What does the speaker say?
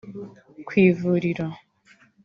ku ivuriro